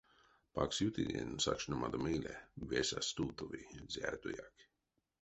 Паксютынень сакшномадо мейле весь а стувтови зярдояк.